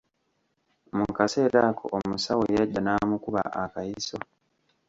Mu kaseera ako omusawo yajja n'amukuba akayiso.